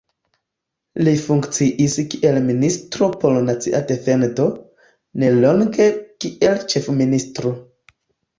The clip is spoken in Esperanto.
Li funkciis kiel ministro por nacia defendo, nelonge kiel ĉefministro.